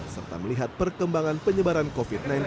serta melihat perkembangan penyebaran covid sembilan belas